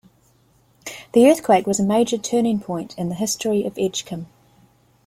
The earthquake was a major turning point in the history of Edgecumbe.